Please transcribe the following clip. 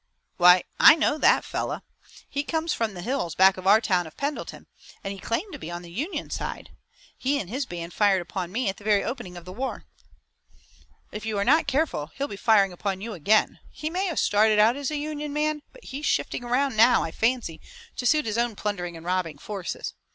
"Why, I know that fellow! He comes from the hills back of our town of Pendleton, and he claimed to be on the Union side. He and his band fired upon me at the very opening of the war." "If you are not careful he'll be firing upon you again. He may have started out as a Union man, but he's shifting around now, I fancy, to suit his own plundering and robbing forces.